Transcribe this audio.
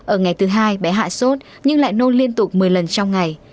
ở ngày thứ hai bé hạ sốt nhưng lại nôn liên tục một mươi lần trong ngày